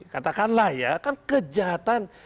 katakanlah ya kan kejahatan